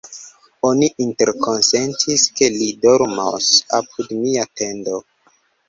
Oni interkonsentis, ke li dormos apud mia tendo.